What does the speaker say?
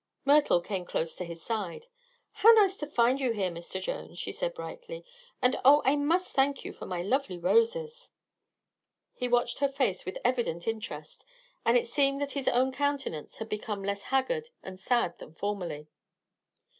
Myrtle came close to his side. "How nice to find you here, Mr. Jones," she said brightly. "And oh, I must thank you for my lovely roses." He watched her face with evident interest and it seemed that his own countenance had become less haggard and sad than formerly.